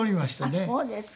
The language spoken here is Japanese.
あっそうですか。